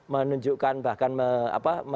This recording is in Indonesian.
menunjukkan bahkan apa